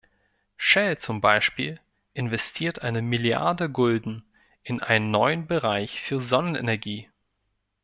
Shell zum Beispiel investiert eine Milliarde Gulden in einen neuen Bereich für Sonnenenergie.